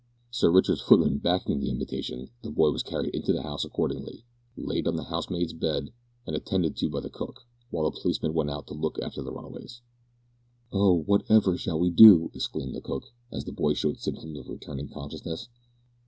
Sir Richard's footman backing the invitation, the boy was carried into the house accordingly, laid on the housemaid's bed, and attended to by the cook, while the policeman went out to look after the runaways. "Oh! what ever shall we do?" exclaimed the cook, as the boy showed symptoms of returning consciousness.